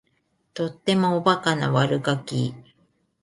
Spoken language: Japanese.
とってもおバカな悪ガキ